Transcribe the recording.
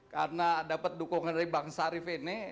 karena dapat dukungan dari bang sarip ini